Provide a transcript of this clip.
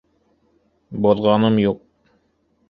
— Боҙғаным юҡ.